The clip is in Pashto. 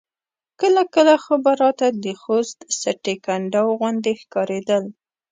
کله کله خو به راته د خوست سټې کنډاو غوندې ښکارېدل.